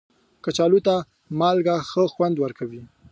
کچالو ته مالګه ښه خوند ورکوي